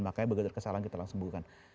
makanya bergerak kesalahan kita langsung bukakan